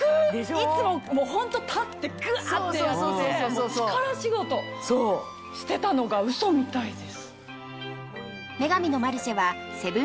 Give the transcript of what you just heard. いつもホント立ってグアってやって力仕事してたのがウソみたいです。